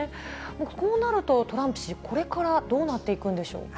こうなるとトランプ氏、これからどうなっていくんでしょう。